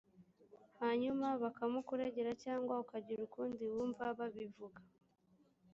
hanyuma bakamukuregera cyangwa ukagira ukundi wumva babivuga,